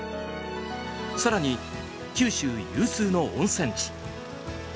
更に、九州有数の温泉地。